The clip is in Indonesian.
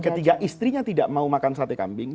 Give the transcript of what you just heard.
ketika istrinya tidak mau makan sate kambing